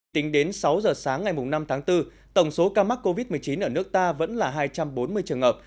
tính đến sáu giờ sáng ngày năm tháng bốn tổng số ca mắc covid một mươi chín ở nước ta vẫn là hai trăm bốn mươi trường hợp